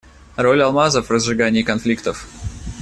Роль алмазов в разжигании конфликтов.